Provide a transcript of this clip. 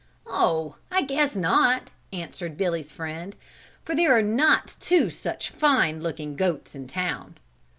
"Oh, I guess not," answered Billy's friend, "for there are not two such fine looking goats in town."